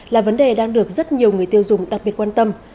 là vấn đề đang được rất nhiều người tiêu dùng đặc biệt quan tâm